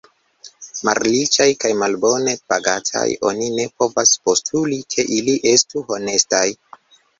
Malriĉaj kaj malbone pagataj, oni ne povas postuli, ke ili estu honestaj.